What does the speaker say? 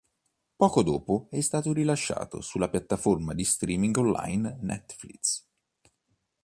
Poco dopo è stato rilasciato sulla piattaforma di streaming online Netflix.